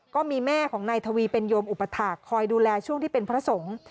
ก็มีแม่ของนายทวีเป็นโยมอุปถาคคอยดูแลช่วงที่เป็นพระสงฆ์